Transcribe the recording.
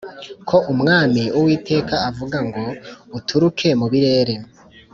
ko Umwami Uwiteka avuga ngo Uturuke mu birere